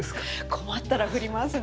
困ったら振りますね。